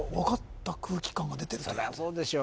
そりゃそうでしょ